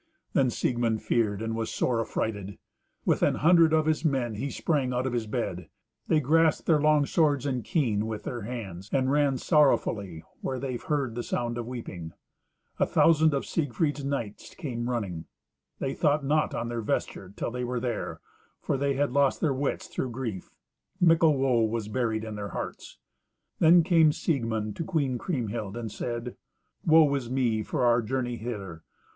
Then Siegmund feared and was sore affrighted. With an hundred of his men he sprang out of his bed; they grasped their long swords and keen, with their hands, and ran sorrowfully where they heard the sound of weeping. A thousand of Siegfried's knights came running. They thought not on their vesture till they were there, for they had lost their wits through grief. Mickle woe was buried in their hearts. Then came Siegmund to Queen Kriemhild, and said, "Woe is me for our journey hither!